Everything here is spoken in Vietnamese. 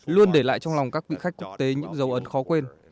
luôn để lại trong lòng các vị khách quốc tế những dấu ấn khó quên